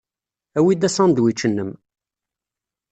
Awi-d asandwič-nnem.